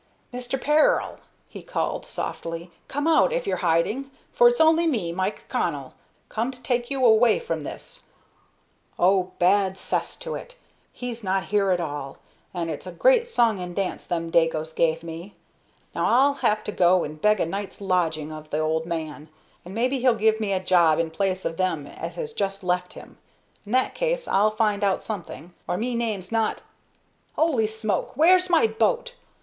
"Mister Peril!" he called, softly; "come out, if you're hiding, for it's only me, Mike Connell, come to take you away from this Oh, bad cess to it, he's not here at all, and it's a great song and dance them Dagos give me! Now I'll have to go and beg a night's lodging of the old man, and maybe he'll give me a job in place of them as has just left him. In that case I'll find out something, or me name's not Holy smoke! where's me boat?